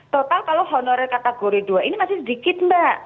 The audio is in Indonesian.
total kalau honorer kategori dua ini masih sedikit mbak